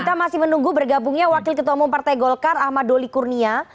kita masih menunggu bergabungnya wakil ketua umum partai golkar ahmad doli kurnia